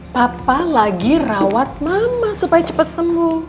papa lagi rawat mama supaya cepat sembuh